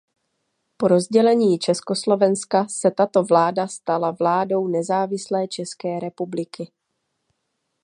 Po rozdělení Československa se tato vláda stala vládou nezávislé České republiky.